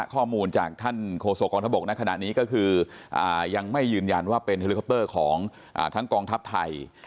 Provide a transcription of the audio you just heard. ข้อมูลจากท่านโฆษกองทบกในขณะนี้ก็คือยังไม่ยืนยันว่าเป็นเฮลิคอปเตอร์ของทั้งกองทัพไทย